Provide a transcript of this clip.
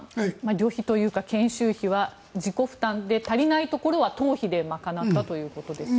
旅費というか研修費は自己負担で、足りないところは党費で賄ったということです。